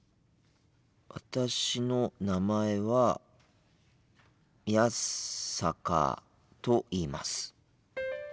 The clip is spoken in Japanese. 私の名前は宮坂と言います。